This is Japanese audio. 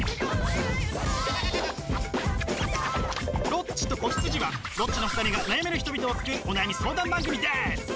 「ロッチと子羊」はロッチの２人が悩める人々を救うお悩み相談番組です！